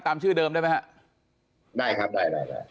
ตามชื่อเดิมได้ไหมฮะได้ครับได้ได้